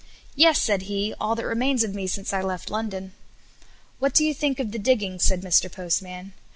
"Yes," said he, "all that remains of me since I left London." "What do you think of the diggings?" said Mr. Postman.